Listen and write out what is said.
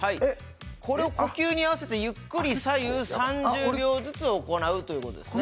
これを呼吸に合わせてゆっくり左右３０秒ずつ行うということですねあっ